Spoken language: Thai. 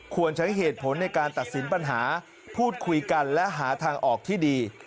ควรใช้เหตุผลในการตัดสินปัญหาพูดคุยกันและหาทางออกที่ดี